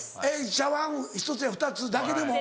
茶わん１つや２つだけでも？